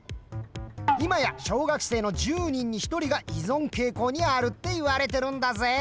今や小学生の１０人に１人が依存傾向にあるっていわれてるんだぜ！